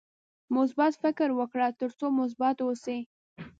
مثبت فکر وکړه ترڅو مثبت اوسې.